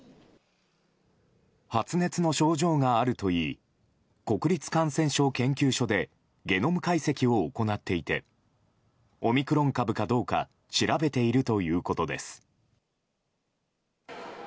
発熱の症状があるといい国立感染症研究所でゲノム解析を行っていてオミクロン株かどうか調べているということです。